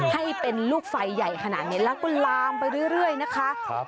ให้เป็นลูกไฟใหญ่ขนาดนี้แล้วก็ลามไปเรื่อยนะคะ